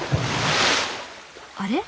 あれ？